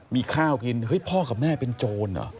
มีข้าวกินเฮ้ยพ่อกับแม่เป็นโจรเหรอ